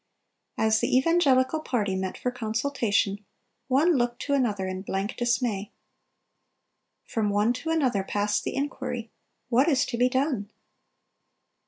(288) As the evangelical party met for consultation, one looked to another in blank dismay. From one to another passed the inquiry, "What is to be done?"